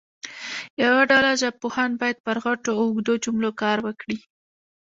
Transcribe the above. یوه ډله ژبپوهان باید پر غټو او اوږدو جملو کار وکړي.